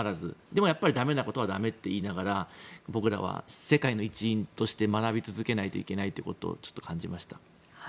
でもだめなことはだめって言いながら僕らは世界の一員として学び続けないといけないと感じました。